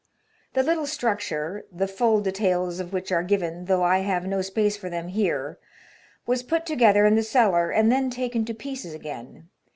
The little structure — the full details of which are given, though I have no space for them here — was put together in the cellar, and then taken to pieces again.